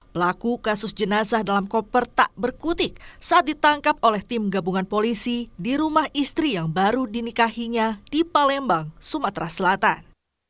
pelaku kasus jenazah dalam koper tak berkutik saat ditangkap oleh tim gabungan polisi di rumah istri yang baru dinikahinya di palembang sumatera selatan